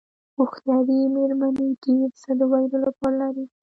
هوښیارې مېرمنې ډېر څه د ویلو لپاره لري.